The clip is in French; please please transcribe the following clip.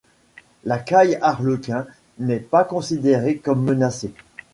La Caille arlequin n’est pas considérée comme menacée.